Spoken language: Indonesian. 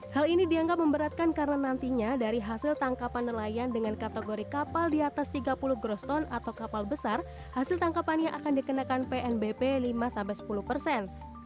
hal ini dianggap memberatkan karena nantinya dari hasil tangkapan nelayan dengan kategori kapal di atas tiga puluh groston atau kapal besar hasil tangkapannya akan dikenakan pnbp lima sampai sepuluh persen